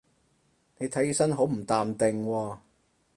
你睇起身好唔淡定喎